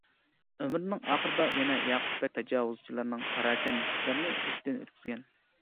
ئۆمرىنىڭ ئاخىرىدا يەنە ياقۇپبەگ تاجاۋۇزچىلىرىنىڭ پاراكەندىچىلىكلىرىنى بېشىدىن ئۆتكۈزگەن.